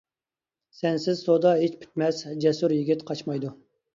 سەنسىز سودا ھېچ پۈتمەس، جەسۇر يىگىت قاچمايدۇ.